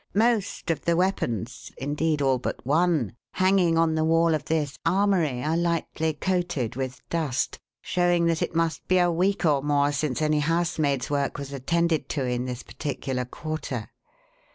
Most of the weapons indeed, all but one hanging on the wall of this armoury are lightly coated with dust, showing that it must be a week or more since any housemaid's work was attended to in this particular quarter.